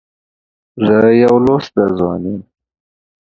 زه يو لوستی ځوان یم.